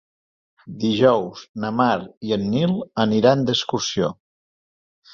Dijous na Mar i en Nil aniran d'excursió.